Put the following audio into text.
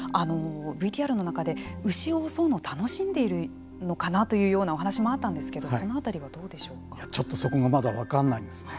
ＶＴＲの中で牛を襲うのを楽しんでいるのかなというようなお話もあったんですけれどもちょっとそこもまだ分からないですね。